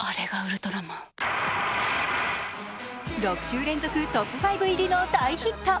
６週連続トップ５入りの大ヒット。